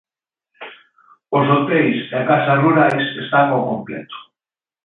Os hoteis e casas rurais están ao completo.